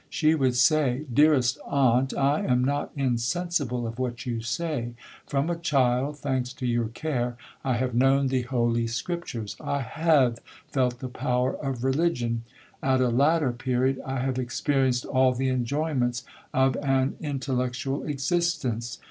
She would say, 'Dearest aunt, I am not insensible of what you say; from a child, (thanks to your care), I have known the holy scriptures. I have felt the power of religion. At a latter period I have experienced all the enjoyments of an intellectual existence.